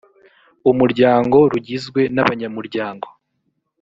umuryango rugizwe n abanyamuryango